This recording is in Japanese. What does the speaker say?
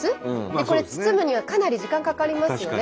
これ包むにはかなり時間かかりますよね。